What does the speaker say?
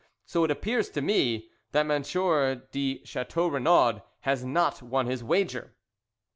So it appears to me that M. de Chateau Renaud has not won his wager."